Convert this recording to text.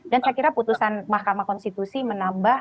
dan saya kira putusan mahkamah konstitusi menambah